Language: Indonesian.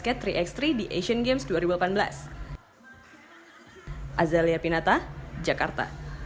capai capai di labor basket tiga x tiga di asian games dua ribu delapan belas